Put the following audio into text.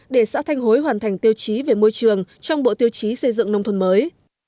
để xã thanh hối hoàn thành tiêu chí về môi trường trong bộ tiêu chí xây dựng nông thôn mới